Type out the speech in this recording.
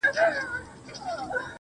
دا کتاب ختم سو نور، یو بل کتاب راکه.